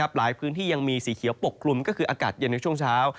หลายพื้นที่ยังมีสีเขียวปกคลุมก็คืออากาศเย็นในช่วงเช้า